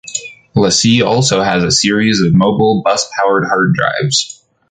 LaCie also has a series of mobile bus-powered hard drives.